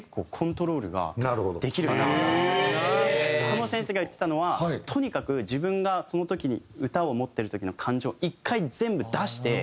その先生が言ってたのは「とにかく自分がその時に歌を思ってる時の感情を１回全部出して。